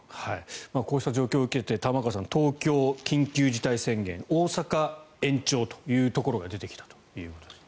こうした状況を受けて東京、緊急事態宣言大阪、延長というところが出てきたということです。